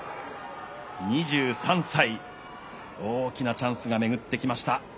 ２３歳、大きなチャンスが巡ってきました。